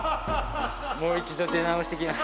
もう一度出直してきます。